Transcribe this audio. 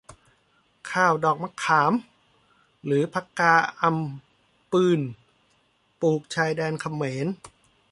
ข้าวดอกมะขาม หรือผกาอำปึญ ปลูกชายแดนเขมร